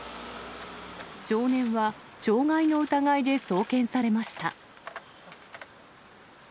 少年は傷害の疑いで送検されました。